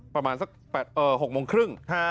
ประมาณสัก๖โมงครึ่ง